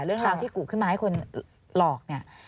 เรื่องราวที่กุขึ้นมาให้คนหลอกเนี่ย